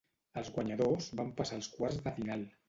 Els guanyadors van passar als quarts de final.